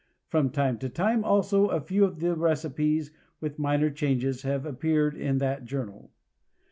From time to time, also, a few of the recipes, with minor changes, have appeared in that journal.